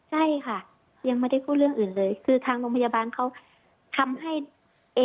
ใช่ค่ะยังไม่ได้พูดเรื่องอื่นเลยคือทางโรงพยาบาลเขาทำให้